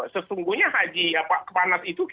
sesungguhnya haji kepanas itu kita syukuri